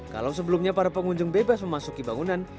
kalau sebelumnya para pengunjung bebas memasuki bangunan